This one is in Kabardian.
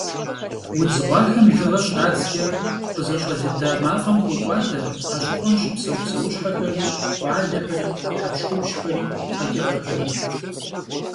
Удз гъуахэм лыгъэ щрадзкӀэ, къызэщӀэлыда мафӀэм хокӀуадэ а щӀыпӀэм щыпсэу псэущхьэхэри, къуалэхэри, хьэпщхупщхэри, къэкӏыгъэхэри.